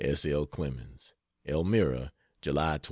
S. L. CLEMENS. ELMIRA, July 27.